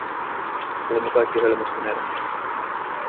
Olimme kaikki hölmistyneitä.